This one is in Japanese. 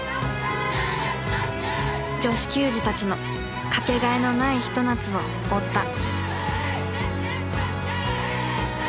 女子球児たちのかけがえのないひと夏を追った。